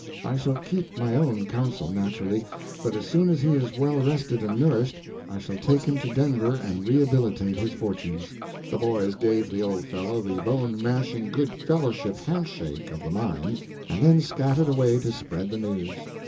I shall keep my own counsel, naturally; but as soon as he is well rested and nourished, I shall take him to Denver and rehabilitate his fortunes. The boys gave the old fellow the bone mashing good fellowship handshake of the mines, and then scattered away to spread the news.